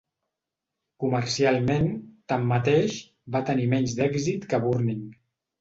Comercialment, tanmateix, va tenir menys d'èxit que "Burning".